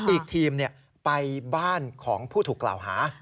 อีกทีมไปบ้านของผู้ถูกกล่าวหา